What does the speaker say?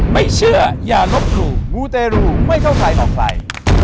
ไม่เชื่ออย่าลบหลู่มูเตรูไม่เข้าใครออกใคร